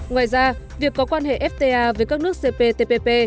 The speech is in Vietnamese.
ngoài ra việc có quan hệ fta với các nước cptpp